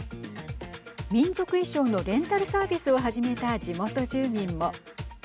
民族衣装のレンタルサービスを始めた地元住民も。